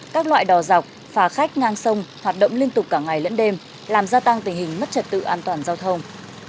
các loại đò dọc phà khách ngang sông hoạt động liên tục cả ngày lẫn đêm làm gia tăng tình hình mất trật tự an toàn giao thông